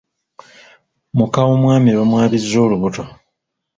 Muka omwami bamwabizza olubuto.